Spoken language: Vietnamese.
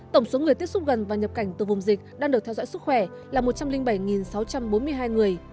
tổng số người tiếp xúc gần và nhập cảnh từ vùng dịch đang được theo dõi sức khỏe là một trăm linh bảy sáu trăm bốn mươi hai người